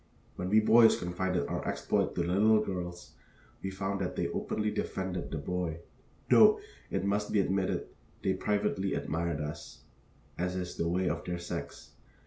When we boys confided our exploit to the little girls, we found that they openly defended the boy, though, it must be admitted, they privately admired us, as is the way of their sex.